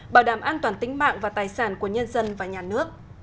bảo đảm an toàn tính mạng và tài sản của nhân dân và nhà nước